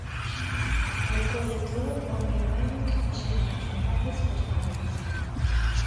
Recolle todo o miudallo que fixeron os rapaces cos papeis.